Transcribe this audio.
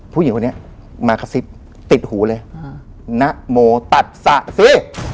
ผู้หญิงคนนี้มากระซิบติดหูเลยนะโมตัดสระสิ